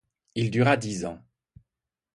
Il dura dix ans.